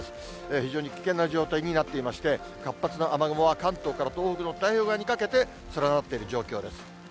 非常に危険な状態になっていまして、活発な雨雲は関東から東北の太平洋側にかけて連なっている状況です。